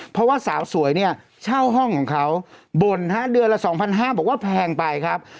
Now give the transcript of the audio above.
เพราะว่าสาวสวยเนี่ยเช่าห้องของเขาบ่นฮะเดือนละ๒๕๐๐บอกว่าแพงไปครับ